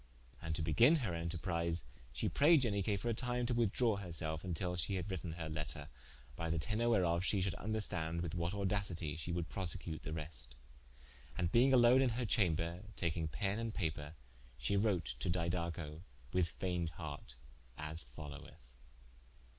And to begin her enterprise, shee prayde Ianique for a time to withdrawe her selfe, vntill shee had written her letter, by the tenor whereof shee should vnderstande with what audacitie shee would prosecute the reste: and being alone in her chamber, takinge penne and paper, she wrote to Didaco, with fayned hart as followeth.